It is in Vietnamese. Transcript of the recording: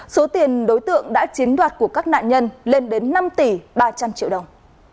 số tiền đối tượng đã chiếm đoạt của các nạn nhân lên đến năm tỷ ba trăm linh triệu đồng